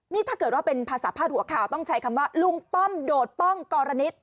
นี่ถ้าเกิดว่าเป็นภาษาพาดหัวข่าวต้องใช้คำว่าลุงป้อมโดดป้องกรณิต